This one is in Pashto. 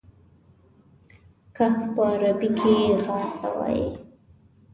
کهف په عربي کې غار ته وایي.